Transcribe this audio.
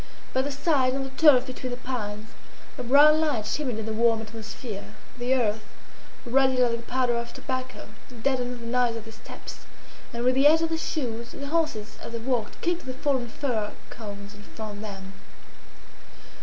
By the side, on the turf between the pines, a brown light shimmered in the warm atmosphere. The earth, ruddy like the powder of tobacco, deadened the noise of their steps, and with the edge of their shoes the horses as they walked kicked the fallen fir cones in front of them.